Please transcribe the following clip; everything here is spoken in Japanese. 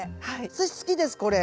好きですこれ。